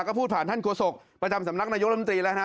ก็พูดผ่านคุศกประจำสำนักนายกลุ่มตรีแล้วนะ